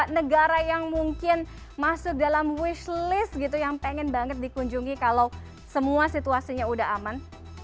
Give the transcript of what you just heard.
negara yang mungkin masuk dalam wish list gitu yang pengen banget dikunjungi kalau semua situasinya udah aman